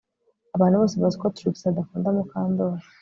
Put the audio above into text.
Abantu bose bazi ko Trix adakunda Mukandoli